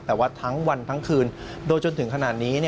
แต่ว่าทั้งวันทั้งคืนโดยจนถึงขนาดนี้